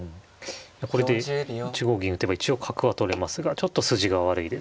これで１五銀打てば一応角は取れますがちょっと筋が悪いですかね。